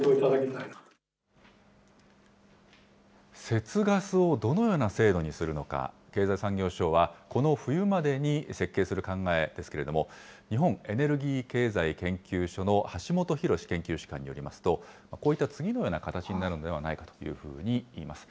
節ガスをどのような制度にするのか、経済産業省は、この冬までに設計する考えですけれども、日本エネルギー経済研究所の橋本裕研究主幹によりますと、こういった次のような形になるのではないかというふうに言います。